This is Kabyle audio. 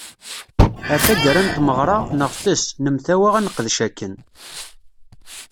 Ar taggara n tmeɣra, neɣtes, nemtawa ad neqdec akken.